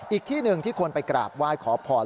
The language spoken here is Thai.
อีกที่หนึ่งที่คนไปกราบไหว้ขอพร